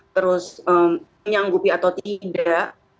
terus menyanggupi atau tidak